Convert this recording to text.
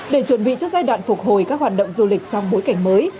để chuẩn bị cho giai đoạn phục hồi các hoạt động du lịch trong bối cảnh mới